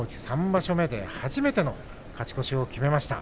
３場所目で初めての勝ち越しを決めました